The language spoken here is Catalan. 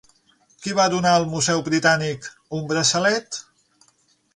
Qui va donar al Museu Britànic un braçalet?